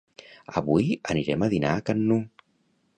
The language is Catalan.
Avui anirem a dinar a can Nu